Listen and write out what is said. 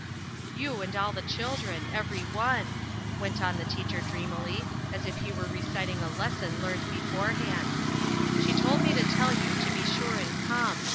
"You and all the children every one," went on the teacher dreamily, as if he were reciting a lesson learned beforehand. "She told me to tell you to be sure and come.